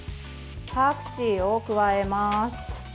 パクチーを加えます。